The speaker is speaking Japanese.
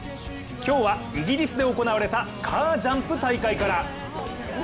今日はイギリスで行われたカージャンプ大会から。